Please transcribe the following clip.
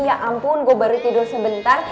ya ampun gue baru tidur sebentar